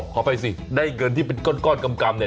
อ้อขอไปสิได้เงินที่เป็นก้นกำกำเนี่ย